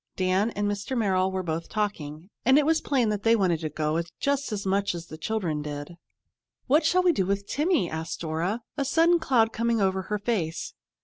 Dan and Mr. Merrill were both talking, and it was plain that they wanted to go just as much as the children did. "What shall we do with Timmy?" asked Dora, a sudden cloud coming over her face.